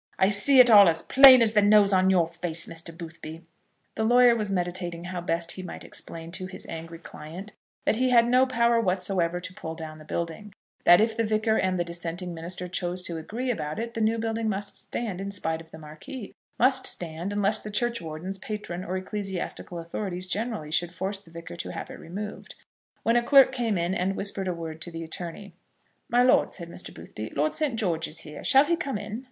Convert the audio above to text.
I see it all as plain as the nose on your face, Mr. Boothby." The lawyer was meditating how best he might explain to his angry client that he had no power whatsoever to pull down the building, that if the Vicar and the dissenting minister chose to agree about it the new building must stand, in spite of the Marquis, must stand, unless the churchwardens, patron, or ecclesiastical authorities generally should force the Vicar to have it removed, when a clerk came in and whispered a word to the attorney. "My lord," said Mr. Boothby, "Lord St. George is here. Shall he come in?"